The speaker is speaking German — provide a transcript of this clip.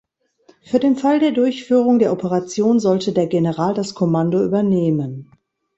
Für den Fall der Durchführung der Operation sollte der General das Kommando übernehmen.